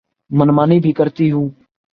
من مانی بھی کرتی ہوں۔